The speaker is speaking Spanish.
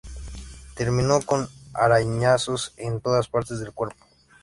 Terminó con arañazos en todas partes del cuerpo.